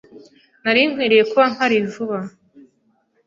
Nari nkwiye kuba mpari vuba.